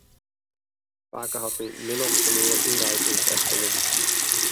Pake hat my min ofte mear ynwijd yn it echte libben.